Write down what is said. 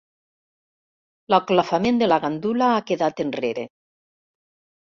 L'aclofament de la gandula ha quedat enrere.